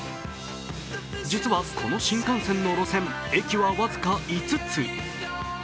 実はこの新幹線の路線、駅は僅か５つ。